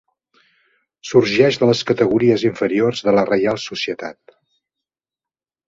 Sorgeix de les categories inferiors de la Reial Societat.